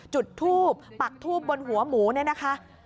จุดทูปปักทูบบนหัวหมูเนี่ยนะคะ